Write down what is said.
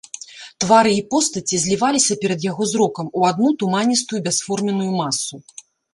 Твары і постаці зліваліся перад яго зрокам у адну туманістую бясформенную масу.